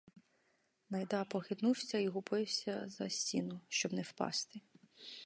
Найда похитнувся і ухопився за стіну, щоб не впасти.